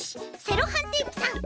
セロハンテープさん。